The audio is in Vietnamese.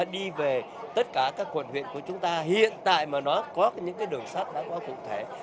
đi về tất cả các quận huyện của chúng ta hiện tại mà nó có những đường sắt đáng có cụ thể